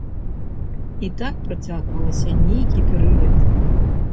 І так працягвалася нейкі перыяд.